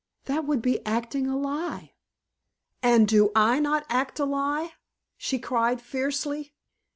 "That would be acting a lie." "And do I not act a lie?" she cried fiercely.